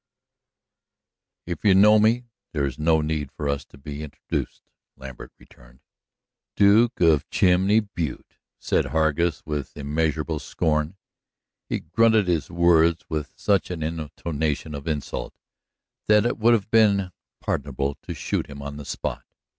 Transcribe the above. "If you know me, there's no need for us to be introduced," Lambert returned. "Duke of Chimney Butte!" said Hargus with immeasurable scorn. He grunted his words with such an intonation of insult that it would have been pardonable to shoot him on the spot.